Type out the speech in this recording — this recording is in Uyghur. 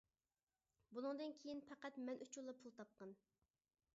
بۇنىڭدىن كېيىن پەقەت مەن ئۈچۈنلا پۇل تاپقىن!